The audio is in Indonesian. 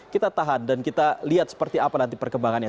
kita tahan dan kita lihat seperti apa nanti perkembangannya